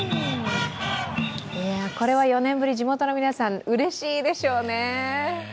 これは４年ぶり、地元の皆さんうれしいでしょうね。